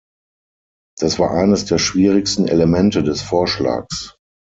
Das war eines der schwierigsten Elemente des Vorschlags.